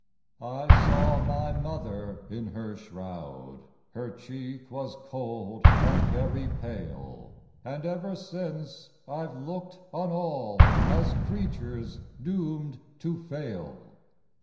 I saw my mother in her shroud, Her cheek was cold and very pale; And ever since I've look'd on all As creatures doom'd to fail!